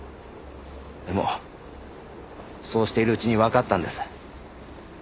でもそうしているうちにわかったんです。